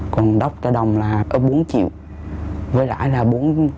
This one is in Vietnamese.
còn doctor đồng là bốn triệu với lãi là bốn triệu